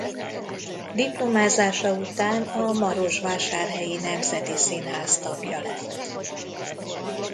Diplomázása után a Marosvásárhelyi Nemzeti Színház tagja lett.